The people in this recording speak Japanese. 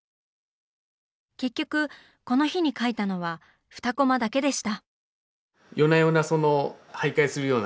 結局この日に描いたのは２コマだけでした。